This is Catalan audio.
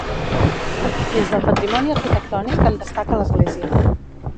Dins del patrimoni arquitectònic en destaca l'església.